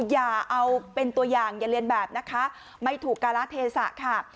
อย่าเอาเป็นตัวอย่างอย่าเรียนแบบนะคะไม่ถูกการาเทศะค่ะ